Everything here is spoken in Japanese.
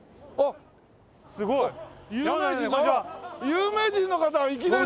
有名人の方がいきなり！